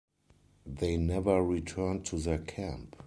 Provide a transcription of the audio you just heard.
They never returned to their camp.